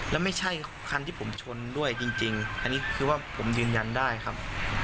แล้วไม่ใช่คันที่ผมชนด้วยจริงอันนี้คือว่าผมยืนยันได้ครับ